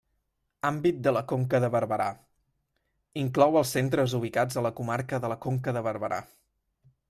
Àmbit de la Conca de Barberà: inclou els centres ubicats a la comarca de la Conca de Barberà.